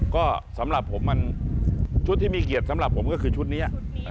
ก็สำหรับผมมันชุดที่มีเกียรติสำหรับผมก็คือชุดนี้